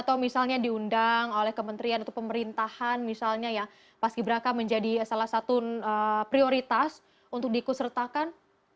atau misalnya diundang oleh kementerian atau pemerintahan misalnya ya pas gibraltar menjadi salah satu prioritas untuk diikut sertakan